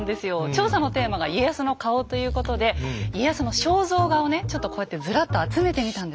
調査のテーマが「家康の顔」ということで家康の肖像画をねちょっとこうやってずらっと集めてみたんですが。